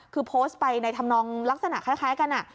คือโพสต์ไปในธรรมนองลักษณะคล้ายกัน